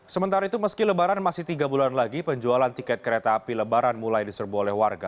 sementara itu meski lebaran masih tiga bulan lagi penjualan tiket kereta api lebaran mulai diserbu oleh warga